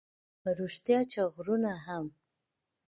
په رښتیا چې غرونه هم